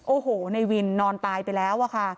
โอ้โหในวินนอนตายไปแล้วอะค่ะ